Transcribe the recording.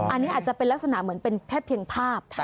อันนี้อาจจะเป็นลักษณะเหมือนเป็นแค่เพียงภาพ